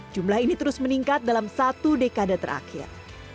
jumlah ini terus meningkat dalam satu dekade terakhir